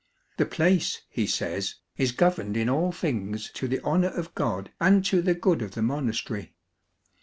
The place, he says, is governed in all things to the honour of God and to the good of the monastery.